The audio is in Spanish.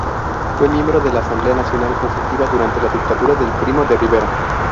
Fue miembro de la Asamblea Nacional Consultiva durante la dictadura de Primo de Rivera.